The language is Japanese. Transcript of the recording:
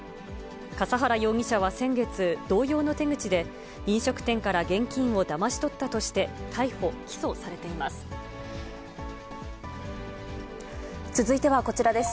笠原容疑者は先月、同様の手口で、飲食店から現金をだまし取ったとして、逮捕・起訴されています。